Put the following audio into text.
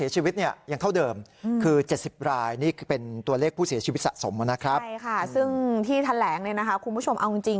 ชีวิตสะสมแล้วนะครับใช่ค่ะซึ่งที่แทนแหลงคุณผู้ชมเอาจริง